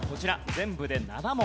全部で７問。